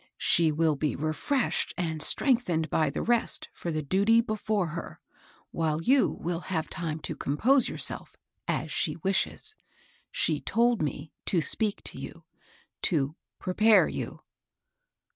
She will be refreshed and strength ened by the rest for the duty before her, while you COUSIN ALGIN* ' 9 will have time to compose yourself, as she wishes. She told me to speak to you, — to prepare you."